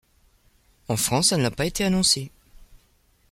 En France, elle n'a pas été pas annoncée.